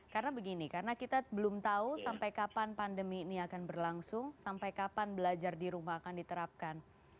karena begini karena kita belum tahu sampai kapan pandemi ini akan berlangsung sampai kapan belajar di rumah akan diterapkan